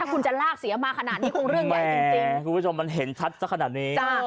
คุณผู้ชมมันเห็นชัดสักขนาดนี้